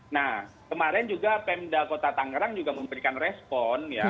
nah kemarin juga pemda kota tangerang juga memberikan respon ya